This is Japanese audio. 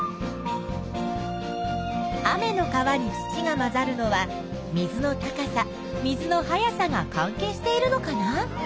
雨の川に土が混ざるのは水の高さ水の速さが関係しているのかな？